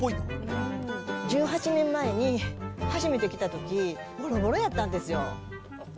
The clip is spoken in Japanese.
１８年前に初めて来たとき、ぼろぼろやったんですよ。